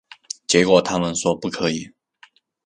结果他们说不可以